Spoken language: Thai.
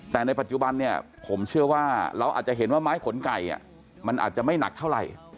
แต่ในปัจจุบันเนี่ยผมเชื่อว่าเราอาจจะเห็นว่าไม้ขนไก่มันอาจจะไม่หนักเท่าไหร่